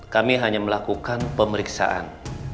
kami hanya melakukan pemeriksaan